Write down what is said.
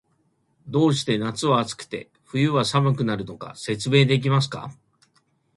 どうして夏は暑くて、冬は寒くなるのか、説明できますか？